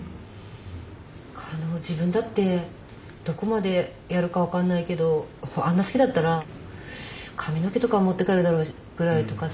自分だってどこまでやるか分かんないけどあんな好きだったら髪の毛とかは持って帰るだろうぐらいとかさ。